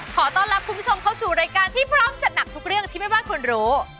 ขอต้อนรับคุณผู้ชมเข้าสู่รายการที่พร้อมจัดหนักทุกเรื่องที่แม่บ้านควรรู้